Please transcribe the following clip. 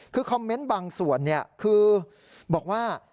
คือคอมเมนต์บางส่วนคือบอกว่า